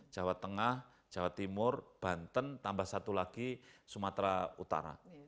jawa tengah jawa timur banten tambah satu lagi sumatera utara